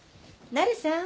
なるさん。